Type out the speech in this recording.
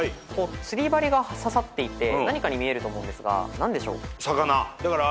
釣り針が刺さっていて何かに見えると思うんですが何でしょう？